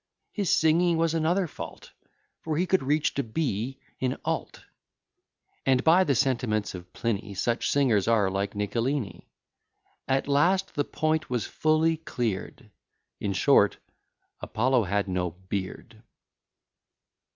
His singing was another fault; For he could reach to B in alt: And, by the sentiments of Pliny, Such singers are like Nicolini. At last, the point was fully clear'd; In short, Apollo had no beard.